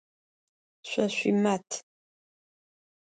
Şso şsuimat.